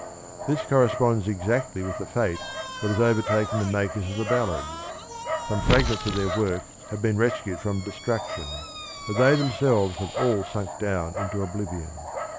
This corresponds exactly with the fate that has overtaken the makers of the ballads ; some fragments of their work have been rescued from destruction, but they themselves have all sunk down into oblivion.